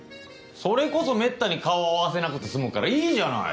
それこそめったに顔を合わせなくて済むからいいじゃない。